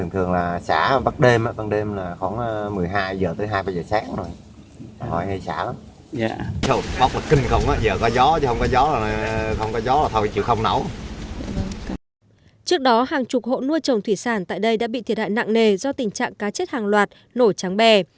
trước đó hàng chục hộ nuôi trồng thủy sản tại đây đã bị thiệt hại nặng nề do tình trạng cá chết hàng loạt nổ trắng bè